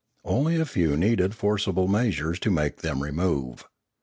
Only a few needed forcible measures to make them remove.